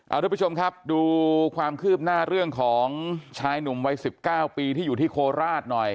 เอาทุกผู้ชมครับดูความคืบหน้าเรื่องของชายหนุ่มวัย๑๙ปีที่อยู่ที่โคราชหน่อย